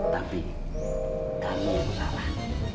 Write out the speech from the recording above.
tapi kami yang salah